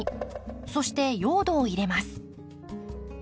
そして用土を入れます。